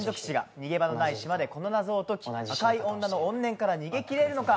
逃げ場のない島でこの謎を解き、赤い女の怨念から逃げ切れるのか。